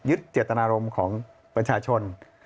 เจตนารมณ์ของประชาชน